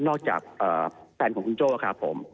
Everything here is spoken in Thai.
จากแฟนของคุณโจ้ครับผม